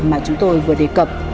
mà chúng tôi vừa đề cập